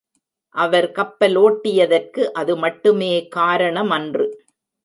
அவர் கப்பலோட்டியதற்கு அது மட்டுமே காரணமன்று.